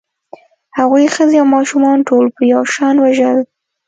هغوی ښځې او ماشومان ټول په یو شان وژل